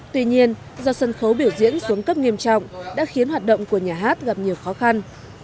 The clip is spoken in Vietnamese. tuy nhiên do sân khấu biểu diễn xuống cấp nghiêm trọng đã khiến hoạt động của nhà hát gặp nhiều khó khăn